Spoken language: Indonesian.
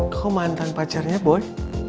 kok mantan pacarnya boy